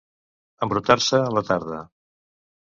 Embrutar-se la tarda.